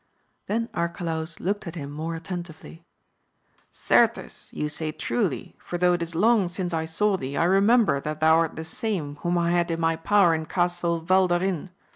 Then Arcalaus looked at him more attentively ; Certes, you say truly, for though it is long since I saw thee, I remember that thou art the same whom I had in my power in Castle Valderin.